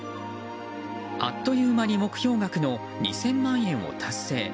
あっという間に目標額の２０００万円を達成。